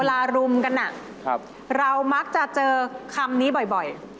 รุมกันเรามักจะเจอคำนี้บ่อย